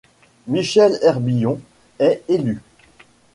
Michel Herbillon est élu.